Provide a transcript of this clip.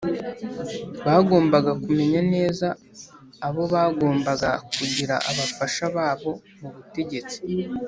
Bagombaga kumenya neza abo bagomba kugira abafasha babo mu butegetsi